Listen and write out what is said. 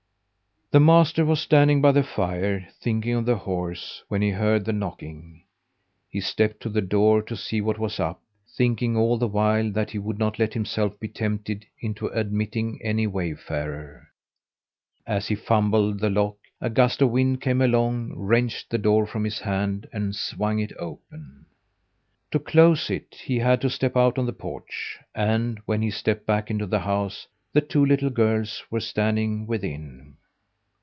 The master was standing by the fire thinking of the horse when he heard the knocking. He stepped to the door to see what was up, thinking all the while that he would not let himself be tempted into admitting any wayfarer. As he fumbled the lock, a gust of wind came along, wrenched the door from his hand and swung it open. To close it, he had to step out on the porch, and, when he stepped back into the house, the two little girls were standing within.